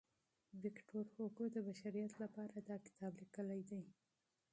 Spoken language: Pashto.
ویکټور هوګو د بشریت لپاره دا کتاب لیکلی دی.